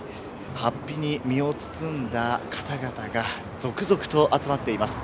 はっぴに身を包んだ方々が続々と集まっています。